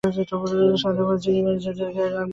সবার ওপরে চিনি মানুষ সে চিনি জায়গা মতন রাখবে না কোনো দিনই?